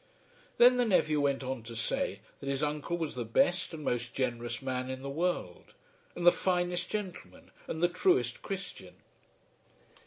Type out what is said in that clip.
Then the nephew went on to say that his uncle was the best and most generous man in the world, and the finest gentleman and the truest Christian.